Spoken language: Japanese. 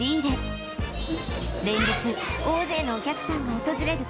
連日大勢のお客さんが訪れる